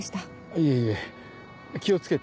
いえいえ気を付けて。